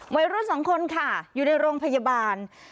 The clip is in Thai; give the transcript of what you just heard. วัยรุ่นสองคนค่ะอยู่ในโรงพยาบาล